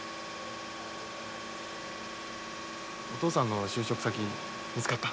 お父さんの就職先見つかった？